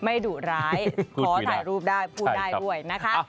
ดุร้ายขอถ่ายรูปได้พูดได้ด้วยนะคะ